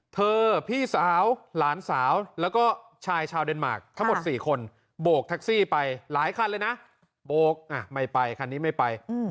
เธอพี่สาวหลานสาวและชายชาวเดนมาร์คทั้งหมด๔คนโบกทักซี่ไปหลายคันเลยนะ